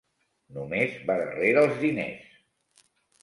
Només va darrere els diners.